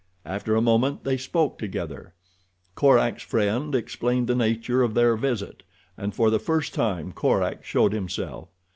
After a moment they spoke together. Korak's friend explained the nature of their visit, and for the first time Korak showed himself.